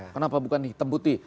kenapa bukan hitam putih